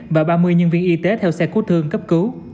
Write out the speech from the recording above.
và ba mươi nhân viên y tế theo xe cứu thương cấp cứu